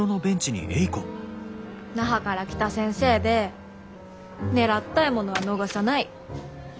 那覇から来た先生で狙った獲物は逃さない。